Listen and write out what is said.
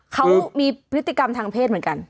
เขามีพฤติกรรมทางเพศเหมือนกัน